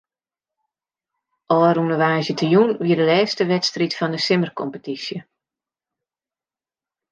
Ofrûne woansdeitejûn wie de lêste wedstriid fan de simmerkompetysje.